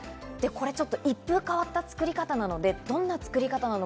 一風変わった作り方なので、どんな作り方なのか